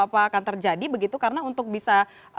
apa akan terjadi begitu karena untuk bisa